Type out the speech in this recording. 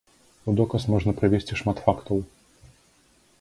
У доказ можна прывесці шмат фактаў.